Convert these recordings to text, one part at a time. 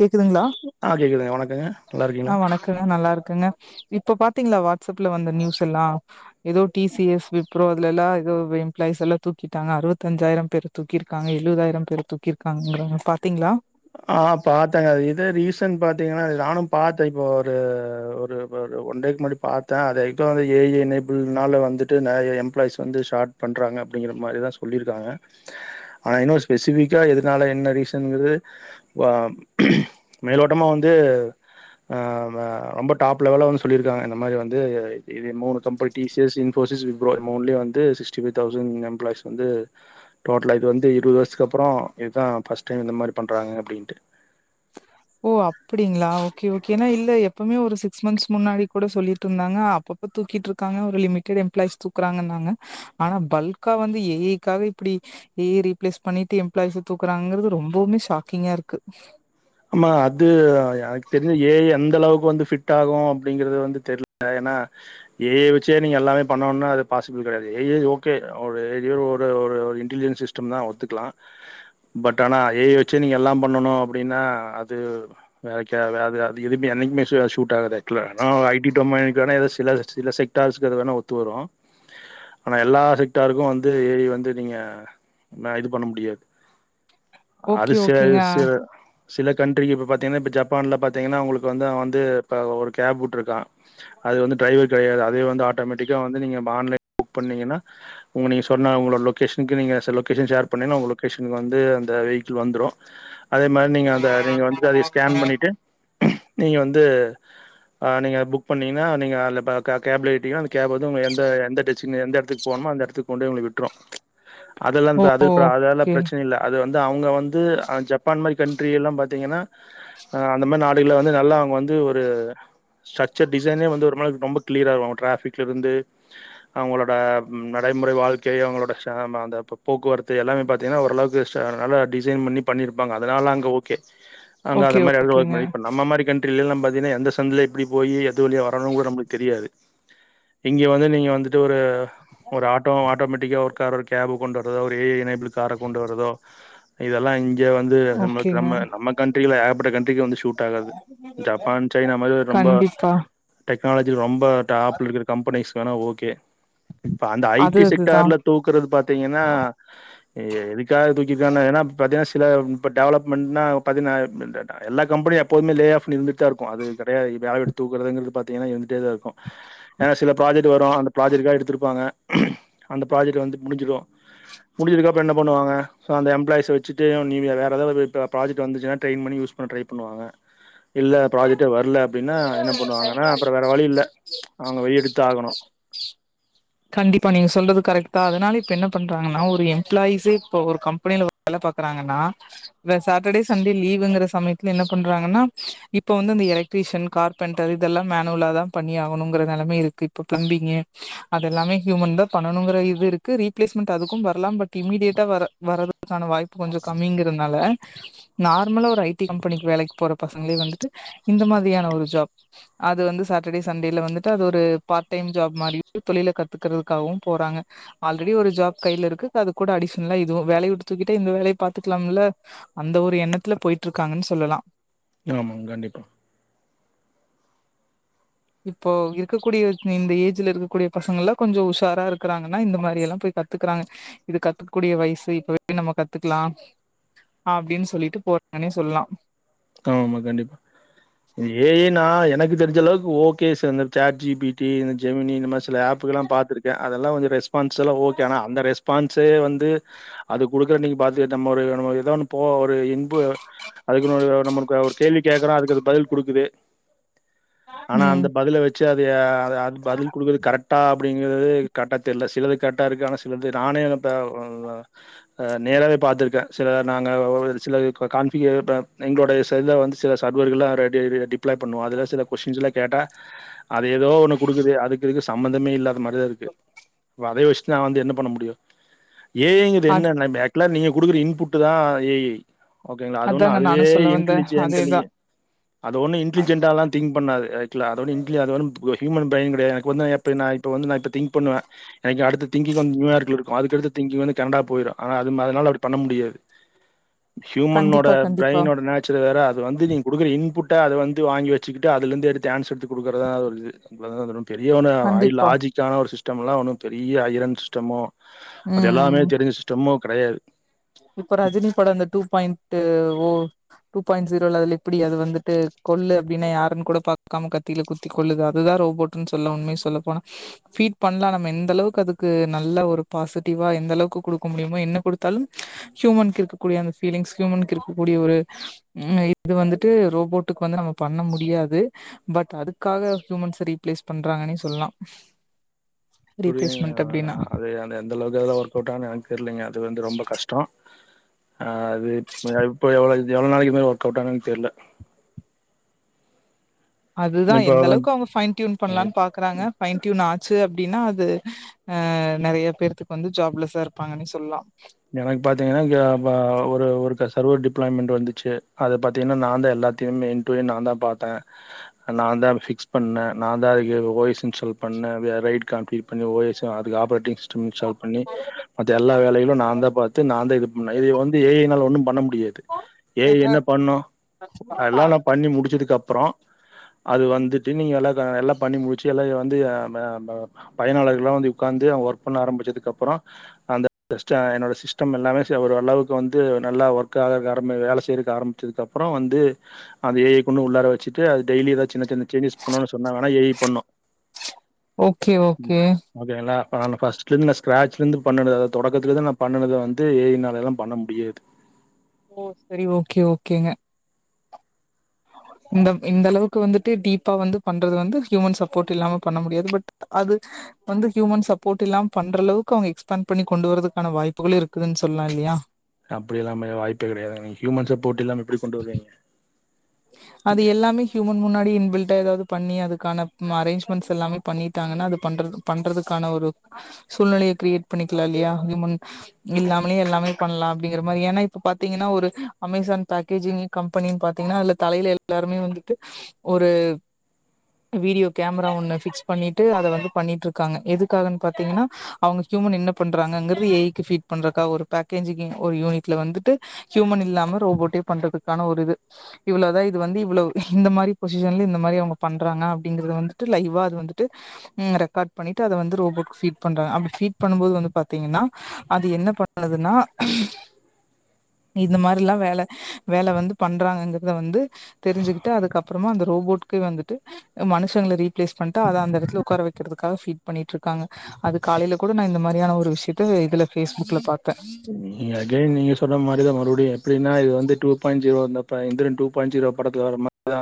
கேக்குதுங்களா ஆஹ் கேக்குதுங் வணக்கங்க நல்லாயிருக்கீங்ளா? எல்லா நல்லாருக்கங்க இப்ப பாத்தீங்களா வாட்ஸ்அப்ல வந்த நியூஸ் எல்லா ஏதோ டி சிஎ ஸ், விப்ரோ அதுலல்லா ஏதோ எம்ப்ளாய்ஸ் எல்லா தூக்கிட்டாங்க அறுபத்தஞ்சாயிரம் பேரு தூக்கிருக்காங்க எழுவதாயிரம் பேர தூக்கிருக்காங்கங்கறாங்க பாத்தீங்ளா? ஆ பாத்தங்க அது இது ரீசன் பாத்தீங்கன்னா நானு பாத்தே இப்போ ஒரு ஒரு ஒரு ஒன் டேக்கு முன்னாடி பாத்தே அது ஏதோ எ ஐ எனெபில்னால வந்துட்டு நெறைய எம்ப்ளாய்ஸ் வந்து ஷார்ட் பண்றாங்க அப்டிங்கிற மாரிதா சொல்லியிருக்காங்க ஆனா இன்னும் ஸ்பெசிஃபிகா எதிர் இதனால என்ன ரீசன்ங்கிறது வா மேலோட்டமா வந்து ஆ வ ரொம்ப டாப் லெவல்ல வந்து சொல்லியிருக்காங்க இந்த மாரி வந்து இது மூணு company T C S, Infosys, Wipro மூண்லயு வந்து சிக்ஸ்டிஃபைவ் தௌசண்ட் எம்ப்ளாய்ஸ் வந்து டோட்டலா இது வந்து இருவது வர்ஷ்க்கப்புறோ இதுதா ஃபர்ஸ்ட் டைம் இந்த மாரி பண்றாங்க அப்டின்ட்டு ஓ! அப்டிங்ளா! ஓகே! ஓகே! ஏன்னா! இல்ல எப்பவுமே ஒரு சிக்ஸ் மந்த்ஸ் முன்னாடி கூட சொல்லிட்டுருந்தாங்க அப்ப தூக்கிட்டுருக்காங்க ஒரு லிமிடெட் எம்ப்ளாய்ஸ் தூக்குறாங்கன்னாங்க ஆனா பல்கா வந்து ஏ ஐ காக இப்டி ஏ ஐ ரீப்ளேஸ் பண்ணிட்டு, எம்ப்ளாயிஸ் தூக்கறாங்கறது ரொம்பவுமே ஷாக்கிங்கா இருக்கு ஆமா அது எனக்கு தெரிஞ்சு, ஏ ஐ அந்தளவுக்கு வந்து ஃபிட் டாகு அப்டிங்கறது வந்து தெர்ல ஏனா ஏ ஐ வெச்சே நீங்க எல்லாமே பண்ணுனா அது பாசிபிள் கெடையாது ஏ ஐ ஓகே! ஒரு ஒரு‌ ஒரு ஒரு இன்டலியன் சிஸ் டம்தா ஒத்துக்லா பட் ஆனா ஏ ஐ வெச்சே நீங்க எல்லா பண்ணணு அப்டின்னா அது வேலைக்கே வே‌ அது அது எதுமே என்னைக்குமே ஷு ஷூட் ஆகாது ஆக்சுவல [unintelligible] ஐ டி டொம்மைன் காண ஏதோ சில [unintelligible] டாஸ்க் அது வேணா ஒத்து வரு [inaudible] ஆனா எல்லா செக்டாருக்கு வந்து ஏ ஐ வந்து நீங்க ன இது பண்ண முடியாது அது ஓகே செ ஓகேங்க சில சில கண்ட்ரிக்கு, இப்ப பாத்தீங்கன்னா! இப்ப ஜப்பான்ல பாத்தீங்கன்னா! உங்களுக்கு வந்து அவ வந்து இப்ப ஒரு கேப் வுட்டுருக்கா அது வந்து டிரைவர் கெடையாது. அதே வந்து ஆட்டோமேட்டிக்கா வந்து நீங்க ஆன்லைன்ல புக் பண்ணீங்கன்னா? உங்க நீங்க சொன்னா உங்களோட லொகேஷனுக்கு நீங்க லொகேஷன் ஷேர் பண்ணிங்கனா உங்க லொகேஷனுக்கு வந்து அந்த வெஹிகிள் வந்துடு அதே மாரி, நீங்க அந்த நீங்க வந்து அதய ஸ்கேன் பண்ணிட்டு நீங்க வந்து ஆ நீங்க அத புக் பண்ணீங்கன்னா! நீங்க அதுல இப்ப கே கேப்ல ஏறிட்டீங்கனா அந்த கேப் வந்து உங்க எந்த எந்த டேசன் எந்த எடத்துக்கு போனுமா! அந்த எடத்து கொண்டு போயி உங்கள விட்ரு அதெல்லா ஓ த அது இப்ப அதெல்லா ஓகே ப்ரச்சனயில்ல! அது வந்து அவுங்க வந்து ஜப்பான் மாதிரி கண் ட்ரியெல்லா பாத்தீங்கன்னா! அந்த மாரி நாடுகள வந்து, நல்லா அவுங்க வந்து ஒரு ஸ்டரக்சர் டிசைனே வந்து, ஒரு மாதிரி ரொம்ப கிளியராயிருக்கு அவுங்க ட்ராஃபிக்லருந்து அவுங்களோட நடைமுறை வாழ்க்கை அவுங்களோட [unintelligible] அந்த போக்குவரத்து எல்லாமே பாத் திங்கன்னா ஓரளவுக்கு நல்லா டிசைன் பண்ணி பண்ணிருப்பாங்க அதனால அங்க ஓகே அங்க ஓகே அந்த மாரி ஓகேங்க [unintelligible] இப்ப நம்ம அமெரிக்கன் கன்டிரில இல்லல்லா பாத்தீங்கன்னா எந்த சந்துல எப்டி போய் எது வழியா வரணு கூட நமளுக்கு தெரியாது இங்கே வந்து நீங்க வந்துட்டு ஒரு ஒரு ஆட்டோ ஆட்டோமேட்டிக்கா [unintelligible] ஒரு கேபக்கு கொண்டு வரதோ ஒரு ஏ ஐ எனனேபிள் கார கொண்டு வரதோ இதெல்லா இங்க வந்து நம்மக் ஓகேங்க நம்ம நம்ம கண்ட்ரி இல்ல ஏகப்பட்ட கண்டட்ரிக்கு வந்து ஷூட் ஆகாது ஜப்பான் சைனா மாதிரி ரொம்ப கண்டிப்பா டெக்னாலஜி ரொம்ப டாப்புல இருக்கிற கம்பெனிஸ் வேணா ஓகே இப்ப அந்த ஐ அது டி அதுதா செக்டர்ல தூக்குறது பாத்தீங்கன்னா எதுக்காக தூக்கிக்க ஏன்னா பாத்தீன்னா சில இப்ப டெவலப் மென்ட்னா பதினாறு [unintelligible] எல்லா கம்பெனு எப்போவுமே லே ஆஃப் இருந்துட் தா இருக்கு அது கெடையா வேல எடுத்து தூக்குறதுங்கிறது இங்கறது பாத்தீங்கன்னா ஏம்டியா தா இருக்கு ஏன்ன சில ப்ராஜெக்ட் வரு அந்த ப்ராஜெக்டாக எடுத்திருப்பாங்க அந்த ப்ராஜெக்டை வந்து முடிஞ்சுடு முடிச்சிருதுக்காப்பறோ என்ன பண்ணுவாங்க சோ அந்த எம்ப்ளாயஸை வச்சுட்டு நீ வேறு ஏதாவ்து ப்ர ப்ராஜக்ட் வந்து ட்ரைன் பண்ணி யூஸ் பண்ண ட்ரை பண்ணுவங்க இல்ல பராஜெக்டே வர்ல அப்டின்னா என்ன பண்ணுவாங்கன்னா அப்றோ வேற வழி இல்ல அவுங்க வழி எடுத்து ஆகணு கண்டிப்பா நீ சொல்றது கரெக்டாதா அதனால இப்ப என்ன பண்றாங்கன்னா ஒரு எம்ப்ளாயிஸு இப்ப ஒரு கம்பெனில வேல பாக்குறாங்கன்னா இந்த சாட்டர்டே சண்டே லீவ்ங்கிற சமயத்துல என்ன பண்றாங்கன்னா இப்ப வந்து அந்த எல க்ரீஷன் கார்பென்டர் இதெல்லா மேனுவலா தா பண்ணியாகனுங்கிற நிலைமை இருக்கு இப்ப பிளம்பிங்கு அதுெல்லலாமே ஹியூமன் தா பண்ணனுங்கிற இது இருக்கு ரீளேஸ்மெண்ட் அதுக்கு வர்லா பட் இமீடியேட்டா வர வரதுக்கான வாய் ப்பு கொஞ்சோ கம்மிங்கறதுனால நார்மலா ஒரு ஐ டி கம்பெனிக்கு வேலைக்கு போற பசங்களே வந்துட்டு இந்த மாதிரியான ஒரு ஜாப் அது வந்து சாட்டர்டே சண்டேல வந்துட்டு அது ஒரு பார்ட் டைம் ஜாப் மாரியு கை தொழில கத்துக்கறிறதுக்காகவு போறாங்க ஆல்ரெடி ஒரு ஜாப் கையில இருக்கு அது கூட அடிஷனல்லா இதுவு வேல விடுத்துக்கிட்டட்டு இந்த வேலைய பாத்துக்கலாம்ல அந்த ஒரு எண்ணத்துல போய்ட்டு இருக்காங்கன்னு சொல்லலா ஆமாங்க கண்டிப்பா இப்போ இருக்கக்கூடிய இந்த ஏஜ்ல இருக்கக்கூடிய பசங்கள் எலா கொஞ்சோ உஷாரா இருக்கிறாங்கன்னா இந்த மாரி எல்லா போய் கத்துக்கறாங்க இது கத்துக்கக்கூடிய வயசு இப்பவே நம்ம கத்துக்கலா அப்டின்னு சொல்லிட்டு போறேனே சொல்லலா ஆமா ஆமா கண்டிப்பா ஏ ஐ னா எனக்கு தெரிஞ்ச அளவுக்கு ஓகே சார் இந்த சட்ஜிபிடி இந்த ஜெமீனி இந்தமாரி சில ஆப்பு எல்லா பா்த்திருக்கே அதெல்லா கொஞ்சோ ரெஸ்பான்ஸ் எல்லா ஓகே ஆனா அந்த ரெஸ்பான்ஸே வந்து அது கொடுக்குறன்னைக்கு பாத்த நம்ம ஒரு நம ஏதோ ஒன்னு போ ஒரு இன்பு அதுக்குன் [inaudible] நம்மளுக்கு ஒரு கேள்வி கேக்குறோ அதுக்கு அது பதில் குடுக்குது ஆனா ம் அந்த பதில வச் சி அது அது பதில் குடுக்குறது கரெக்ட்டா அப்டிங்கிறது கரெக்ட்டா தெரில சிலது கரெக்ட்டா இருக்கு ஆனா சிலது நானே இப்ப ஆ நேராவே பார்த்துருக்கே சில நாங்க சில கான் ஃபிகர் எங்களுடைய செல்ல வந்து சில சர்வர்கள்லா ரெடி டிப்ளை பண்ணுவோ அதுல சில கொஸ்டின்ஸ்லா கேட்டா அது ஏதோ ஒண்ணு குடுக்குது அதுக்கு இதுக்கு சம்மந்தமே இல்லாத மாரிதா இருக்கு அதயு வச்சுட்டு நா வந்து என்ன பண்ண முடியு ஏ ஐங்கிறது அ என்ன ஆக்சுவலா நீங்க குடுக்குற இன்புட்தா ஏ ஐ ஓகேங்களா அது ஒண்ணு அதாங்க அது நானு வே சொல்ல வந்தே இன்டலிஜன்டலிய [inaudible] அது ஒண்ணு இன்டலிஜென்ட்டாலா திங்க் பண்ணாது அதுக்குல்லா அது ஒண்ணு இன்டெலி அது ஒண்ணு ஹூமன் பிரைன் கெடையாது எனக்கு வந்து இப்ப நா இப்ப வந்து நா இப்ப திங்க் பண்ணுவே எனக்கு அடுத்த திங்கிங் வந்து நியூயார்க்ல இருக்கு அதுக்கடுத்த திங்கிங் வந்து கனடா போயிரு ஆனா அது அதனால அப்டி பண்ண முடியாது [inaudible] ஹியூமன்னோட கண்டிப்பா கண்டிப்பா நேச்சர் வேற அது வந்து நீங்க குடுக்குற இன்புட்ட அது வந்து வாங்கி வச்சுக்கிட்டு அதுல இருந்து எடுத்து ஆன்சர் எடுத்து குடுக்குறதா அது ஒரு இது இவ்ளோதா இது ஒண்ணு பெரிய ஒன்னு வாயில் கண்டிப்பா லாஜிக்கான ஒரு சிஸ்டம் எல்லா ஒன்னும் பெரிய ஐரன் சிஸ்டமோ அது எல்லாமே ம் தெரிஞ்ச சிஸ்டமோ கெடையாது இப்ப ரஜினி படோ அந்த two point O two point ஜீரோல அதுல எப்டி அது வந்துட்டு கொல்லு அப்டின்னா யாருன்னு கூடப் பாக்காம கத்தியில குத்தி கொல்லுது அதுதா ரோபோட் னு சொல்லு உண்மய சொல்லப் போனா ஃபீட் பண்ணலா நம்ம எந்த அளவுக்கு அதுக்கு நல்ல ஒரு பாசிட்டிவா எந்த அளவுக்கு குடுக்க முடியுமோ என்ன குடுத்தாலும் ஹியூமனுக்கு இருக்கக்கூடிய அந்த ஃபீலிங்ஸ் ஹியூமனுக்கு இருக்கக்கூடிய ஒரு ம் இது வந்துட்டு ரோபோட்டுக்கு வந்து நம்ம பண்ண முடியாது பட் அதுக்காக ஹியூமன்ஸ ரீப்ளேஸ் பண்றாங்கன்னே சொல்லலா புரியுதுங்க ரீப்ளேஸ்மெண்ட் அப்டின்னா மேடம் அதே அந்த எந்த அளவுக்கு அதுல ஒர்க் அவுட்டாகுன்னு எனக்கு தெரியலிங்க இது வந்து ரொம்ப கஷ்டோ அது இப்ப இப்ப எவ்வளவு இது எவ்ளோ நாளைக்கி மேல ஒர்க் அவுட் ஆவுகுன்னு எனக்கு தெரில அதுதா இப்போ எந்த அளவுக்கு அவங்க ஃபைன் டியூன் பண்ணலான்னு பாக்குறாங்க ஃபைன் டியூன் ஆச்சு அப்டின்னா அது ஆ நெறைய பேத்துக்கு வந்து ஜாப்லெஸ்ஸா இருப்பாங்கன்னே சொல்லலாம் எனக்கு பாத்தீங்கன்னா கா பா ஒரு ஒருக்க சர்வர் டிப்ளாய்மென்ட் வந்துச்சு அதப் பாத்தீங்கன்னா நான்தா எல்லாத்தையு மெய்ன் போய் நான்தா பாத்தே நான்தா ஃபிக்ஸ் பண்ணே நான்தா அதுக்கு ஓ எஸ் இன்ஸ்டால் பண்ணே வி ஆர் ரைட் கான்பி பண்ணி ஓ எஸ் ஸு அதுக்கு ஆப்ரேட்டிங் சிஸ்டம் இன்ஸ்டால் பண்ணி மத்த எல்லா வேலையிலு நா தா பாத்து நான்தா இது பண்ணே இது வந்து ஏ ஐ னால ஒன்னும் பண்ண முடியாது ஏ ஐ என்ன பண்ணு அதெல்லா நா பண்ணி முடிச்சதுக்கு அப்பறோ அது வந்துட்டு நீங்க எல்லா எல்லா பண்ணி முடிச்சு எல்லா வந்து அம் அம் ப பயனாளர்கள்ல்லா வந்து உக்காந்து அவங்க ஒர்க் பண்ண ஆரம்பிச்சதுக்கு அப்பறோ அந்த சிஸ்டோ என்னோட சிஸ்டம் எல்லாமே சேர் ஓரளவுக்கு வந்து நல்லா ஒர்க் ஆக ஆரம்பி வேல செய்யறக்கு ஆரம்பிச்சதுக்கு அப்பறோ வந்து அந்த ஏ ஐ கொண்டு உள்ளார வச்சுட்டு அது டெய்லி ஏதாவது சின்ன சின்ன சேஞ்சஸ் பண்ணனுன்னு சொன்னா வேணா ஏ ஐ பண்ணு ஓகே ஓகே ம் ஓகேங்களா இப்ப நானு ஃபர்ஸ்ட்ல இருந்து நா ஸ்க்ராட்ச்சுலந்து பண்ணுனது அதாவது தொடக்கத்துல இருந்து நா பண்ணுனத வந்து ஏ ஐ னால எல்லா பண்ண முடியாது ஓ செரி ஓகே ஓகேங்க இந்த இந்த அளவுக்கு வந்துட்டு டீப்பா வந்து பண்றது வந்து ஹியூமன் சப்போர்ட் இல்லாம பண்ண முடியாது பட் அது வந்து ஹியூமன் சப்போர்ட் இல்லாம பண்ற அளவுக்கு அவுங்க எக்ஸ்பாண்ட் பண்ணி கொண்டு வரதுக்கான வாய்ப்புகளு இருக்குதுன்னு சொல்லலா இல்லையா அப்டில்லாமே வாய்ப்பு கெடையாதுங்க ஹ்யூமன் சப்போர்ட் இல்லாம எப்டி கொண்டு வருவீங்க அது எல்லாமே ஹ்யூமன் முன்னாடி இன் பில்ட்டா ஏதாது பண்ணி அதுக்கானா ம் அரேஞ்ஜ்மெண்ட்ஸ் எல்லாமே பண்ணிட்டாங்கன்னா அது பண்றதுக் பண்றதுக்கான ஒரு சூழ்நிலைய கிரியேட் பண்ணிக்கலாம் இல்லையா ஹ்யூமன் இங் இல்லாமலே எல்லாமே பண்ணலா அப்டிங்கிற மாரி ஏன்னா இப்ப பாத்தீங்கன்னா ஒரு அமேசான் பேக்கேஜிங் கம்பெனின்னு பாத்தீங்கன்னா அதுல தலையில எல்லாருமே வந்துட்டு ஒரு வீடியோ கேமரா ஒன்ன ஃபிக்ஸ் பண்ணிட்டு அத வந்து பண்ணிட்டு இருக்காங்க எதுக்காகன்னு பாத்தீங்கன்னா அவுங்க ஹியூமன் என்ன பண்றாங்கங்கிறது ஏ ஐ க்கு ஃபீட் பண்றக்கா ஒரு பேக்கேஜிங் ஒரு யூனிட்ல வந்துட்டு ஹியூமன் இல்லாம ரோபோட்டே பண்றதுக்கான ஒரு இது இவ்ளோதா இது வந்து இவ்ளவு இந்த மாரி பொசிஷன்ல இந்த மாரி அவுங்க பண்றாங்க அப்டிங்கறத வந்துட்டு லைவா அது வந்துட்டு ம் ரெக்கார்ட் பண்ணிட்டு அத வந்து ரோபோக்கு ஃபீட் பண்றாங்க அப்டி ஃபீட் பண்ணும் போது வந்து பாத்தீங்கன்னா அது என்ன பண்ணுதுன்னா இந்த மாரிலா வேல வேல வந்து பண்றாங்கங்க இத வந்து தெரிஞ்சுக்கிட்டு அதுக்கப்றமா அந்த ரோபோட்கே வந்துட்டு அ மனுஷங்கள ரீப்ளேஸ் பண்ணிடு அத அந்த எடத்துல ஒக்கார வெக்கிறதுக்காக ஃபீட் பண்ணிட்டு இருக்காங்க அது காலைல கூடோ நா இந்த மாரியான ஒரு விஷயத்த இதுல பேஸ்புக்ல பாத்த நீங்க அகைன் நீங்க சொன்ன மாரிதா மறுபடியு எப்டின்னா வந்து டூ பாயிண்ட் ஜீரோ வந்தப்ப இந்திரன் டூ பாயிண்ட் ஜீரோ படத்துல வர மாரி அதா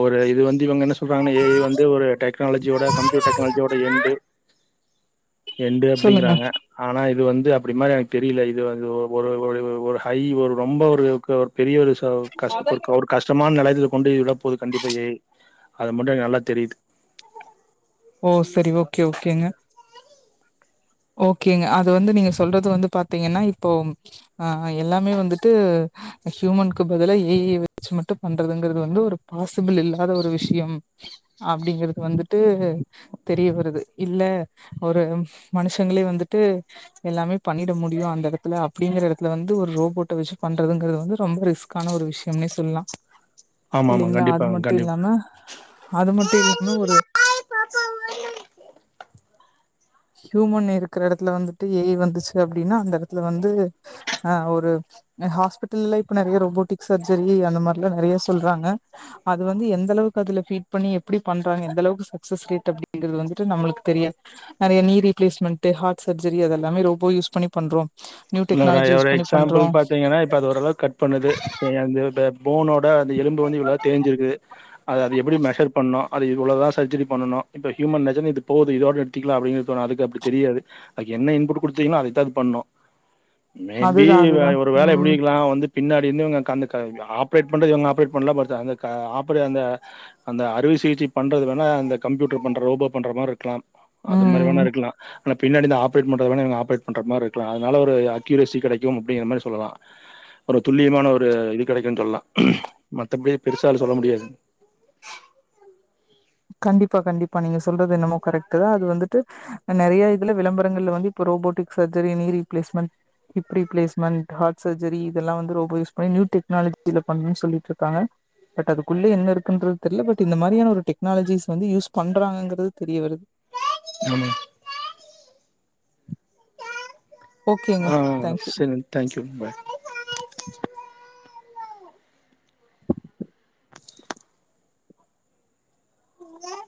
ஒரு இது வந்து இவுங்க என்ன சொல்றாங்கன்னா ஏ ஐ வந்து ஒரு டெக்னாலஜியோட கம்ப்யூட்டர் டெக்னாலஜியோட எண்டு [unintelligible] எண்டு சொல்லுங்க அப்டிங்கறாங்க ஆனா இது வந்து அப்டி மாரி எனக் தெரில இது வ இது ஒரு ஒரு ஒரு ஒரு ஹை ஒரு ரொம்ப ஒரு க பெரிய ஒரு ச கஷ்ட ஓரு க ஒரு கஷ்டமான நிலையத்துக்கு கொண்டு விடப்போது கண்டிப்பா ஏ ஐ அது மட்டு எனக்கு நல்லா தெரிது ஓ செரி ஓகே ஓகேங்க ஓகேங்க அது வந்து நீங்க சொல்றது வந்து பாத்தீங்கன்னா இப்போ ஆ எல்லாமே வந்துட்டு ஹியூமன்கு பதிலா ஏ ஐ வெச்சி மட்டும் பண்றதுங்கறது வந்து ஒரு பாசிபிள் இல்லாத ஒரு விஷயம் அப்டிங்கிறது வந்துட்டு தெரிய வருது இல்ல ஒரு மனுஷங்களே வந்துட்டு எல்லாமே பண்ணிட முடியு அந்த எடத்துல அப்டிங்கிற எடத்து வந்து ஒரு ரோபோட்ட வெச்சு பண்றதுங்கறது வந்து ரொம்ப ரிஸ்க் க்கான ஒரு விஷயம்னே சொல்லா ஆமா ஆமா இல்லைங்ளா அது கண்டிப்பா மட்டும் கண்டிப்பா இல்லாம அது மட்டு இல்லாம ஒரு ஆாய பப்பா ஹியூமன் இருக்கற எடத்துல வந்துட்டு ஏ ஐ வந்துச்சு அப்டின்னா அந்த ஏடத்துல வந்து ஆ ஒரு அ ஹாஸ்பிட்டல்ல இப்போ நெறைய ரோபோட்டிக் சர்ஜரி அந்த மாரி எல்லா நெறைய சொல்றாங்க அது வந்து எந்த அளவுக்கு அதுல ஃபீட் பண்ணி எப்புடி பண்றாங்க எந்த அளவுக்கு சக்சஸ் ரேட் அப்டிங்கறது வந்துட்டு நம்மளுக்கு தெரிய நிறைய க்னீ ரீப்ளேஸ்மெண்ட் ஹார்ட் சர்ஜரி அததெல்லாமே ரோபோ யூஸ் பண்ணி பண்றோ நியூ உன்னோட டெக்னாலஜி யூஸ் ஒரு பண்ணி பண்றோ எக்ஸாம்பிள் பாத்தீங்கன்னா இப்ப அது ஓரளவுக்கு கட் பண்ணுது சரி அந்த த போனோட அந்த எலும்பு வந்து இவ்வளோ தேஞ்சிருக்கு அத அத எப்டி மெஷர் பண்ணோ அது இவ்ளோதா சர்ஜரி பண்ணணு இப்ப ஹியூமன் நெஜமே இது போதோ இதோட நிறுத்திக்லா அப்டிங்கிறது தோனு அதுக்கு அப்டி தெரியாது அதுக்கு என்ன இன்புட் குடுத்தீங்ளோ அதுதா அது பண்ணு மேபி அதுதா வே அதுதா ஒரு வேல எப்டி ம் இருக்கலா வந்துட் பின்னாடி இருந்து இவுங்க க அந்த க ஆப்ரேட் பண்றது இவுங்க ஆப்ரேட் பண்ணலா பார்தா அந்த க ஆப்ரே அந்த அந்த அறுவை சிகிச்சை பண்றது வேணா அந்த கம்யூட்டர் பண்ற ரோபோ பண்ற மாதிரி இருக்கலாம் அது மாரி ம் வேணா இருக்கலா ஆனா பின்னாடி இருந்து ஆபரேட் பண்றத வேணா இவங்க ஆப்ரேட் பண்ற மாரி இருக்கல அதனால ஒரு அக்யூரசி கெடைக்கும் அப்டிங்கிற மாரி சொல்லலா ஒரு துல்லியமான ஒரு இது கெடைக்குன் சொல்லலா மத்தபடி பெருசால சொல்ல முடியாது கண்டிப்பா கண்டிப்பா நீங்க சொல்றது என்னமோ கரெக்டு தா அது வந்துட்டு நறைய இதுல விளம்பரங்கள்ல வந்து இப்ப robotic surgery knee replacement hip replacement heart surgery இதெல்லா வந்து ரோபோ யூஸ் பண்ணி நியூ டெக்னாலஜில பண்ணுன் சொல்லிட்டு இருக்காங்க பட் அதுக்குள்ளே என்ன இருக்குன்றது தெரியல பட் இந்த மாதிரியான ஒரு டெக் னாலஜீஸ் வந்து யூஸ் பண்றாங்ககறது தெரிய வருது ஆமா ஓகேங்க. ஆ தேங்க்யூ. சரிங்க தேங்க்யூ பாய் [unintelligible] சே